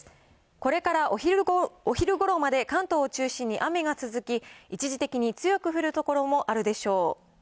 これからお昼ごろまで関東を中心に雨が続き、一時的に強く降る所もあるでしょう。